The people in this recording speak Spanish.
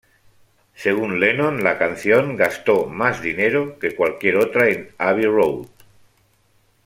Según Lennon la canción gastó más dinero que cualquier otra en "Abbey Road".